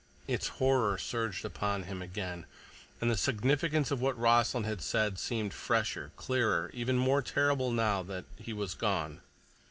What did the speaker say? Its horror surged upon him again, and the significance of what Rossland had said seemed fresher, clearer, even more terrible now that he was gone.